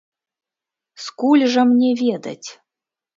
Скуль жа мне ведаць?